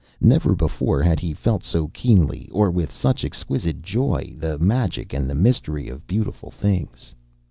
Never before had he felt so keenly, or with such exquisite joy, the magic and the mystery of beautiful things.